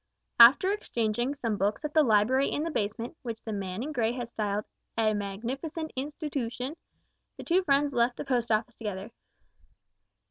After exchanging some books at the library in the basement, which the man in grey had styled a "magnificent institootion," the two friends left the Post Office together.